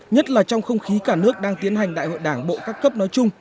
nhất là trong không khí cả nước đang tiến hành đại hội đảng bộ các cấp nói chung